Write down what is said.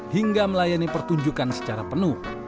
hingga melayani pertunjukan secara penuh